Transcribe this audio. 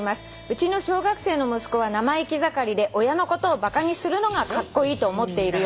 「うちの小学生の息子は生意気盛りで親のことをバカにするのがカッコイイと思っているようです」